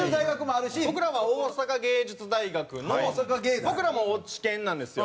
僕らは大阪芸術大学の僕らも落研なんですよ。